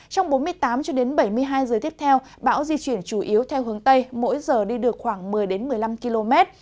trong bốn mươi tám cho đến bảy mươi hai giờ tiếp theo bão di chuyển chủ yếu theo hướng tây mỗi giờ đi được khoảng một mươi một mươi năm km